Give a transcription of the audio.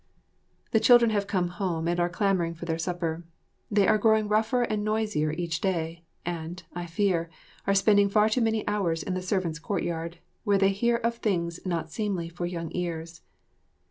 The children have come home and are clamouring for their supper. They are growing rougher and noisier each day, and, I fear, are spending far too many hours in the servants' courtyard, where they hear of things not seemly for young ears.